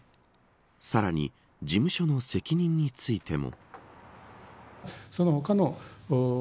さらに事務所の責任についても。